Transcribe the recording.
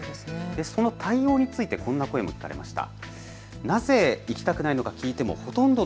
その対応についてこんな声も聞かれました。